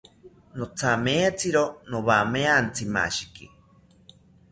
Nothamaetziro nowariantzimashiki